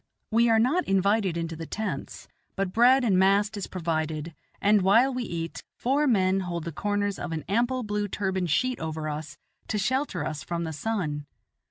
We are not invited into the tents, but bread and mast is provided, and, while we eat, four men hold the corners of an ample blue turban sheet over us to shelter us from the sun.